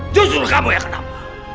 justru kamu yang kenapa